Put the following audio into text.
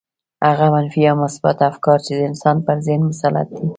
هغه منفي يا مثبت افکار چې د انسان پر ذهن مسلط دي.